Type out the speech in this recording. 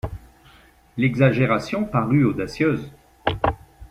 L'exagération parut audacieuse.